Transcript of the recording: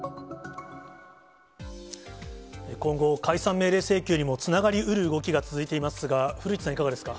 今後、解散命令請求にもつながりうる動きが続いていますが、古市さん、いかがですか。